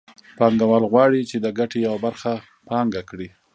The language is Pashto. پانګوال غواړي چې د ګټې یوه برخه پانګه کړي